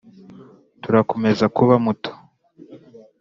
turakomeza kuba muto